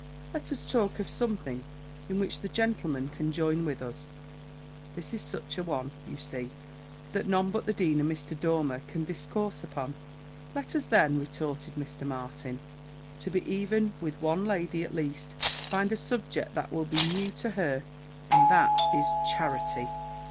Let us talk of something in which the gentlemen can join with us. This is such an one, you see, that none but the dean and Mr. Dormer can discourse upon." "Let us then," retorted Mr. Martin, "to be even with one lady at least find a subject that will be new to her: and that is CHARITY."